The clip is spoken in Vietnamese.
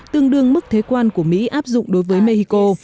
tương đương mức thế quan của mỹ áp dụng đối với mexico